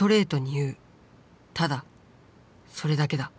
ただそれだけだ。